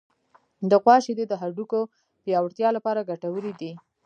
د غوا شیدې د هډوکو پیاوړتیا لپاره ګټورې دي.